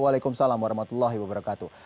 waalaikumsalam warahmatullahi wabarakatuh